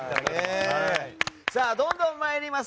さあ、どんどん参ります。